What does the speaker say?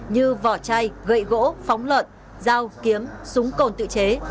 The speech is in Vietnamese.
như vỏ chai gậy gỗ phóng lợn dao kiếm súng cồn tự chế